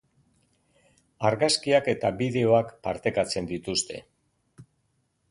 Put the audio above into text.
Argazkiak eta bideoak partekatzen dituzte.